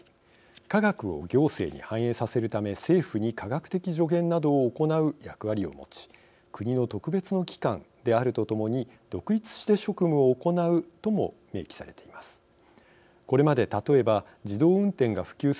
科学を行政に反映させるため政府に科学的助言などを行う役割を持ち国の特別な機関であると共に独立して職務を行うとも明記されています。